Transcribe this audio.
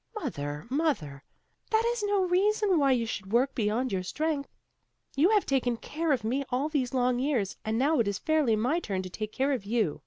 "Mother, mother, that is no reason why you should work beyond your strength. You have taken care of me all these long years, and now it is fairly my turn to take care of you.